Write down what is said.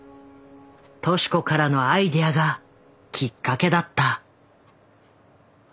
敏子からのアイデアがきっかけだった。